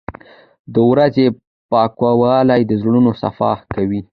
• د ورځې پاکوالی د زړونو صفا کوي.